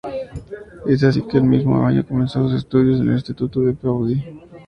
Es así que en el mismo año comenzó sus estudios en el Instituto Peabody.